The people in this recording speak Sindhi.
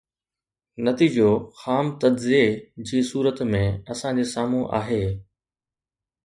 نتيجو خام تجزيي جي صورت ۾ اسان جي سامهون آهي.